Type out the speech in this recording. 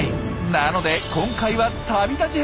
なので今回は旅立ち編。